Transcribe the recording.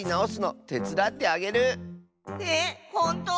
えっほんと⁉